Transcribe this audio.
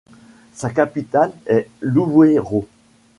Sa capitale est Luweero.